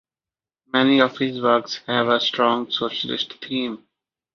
Many of his works have a strong socialist theme.